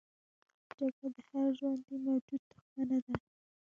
جګړه د هر ژوندي موجود دښمنه ده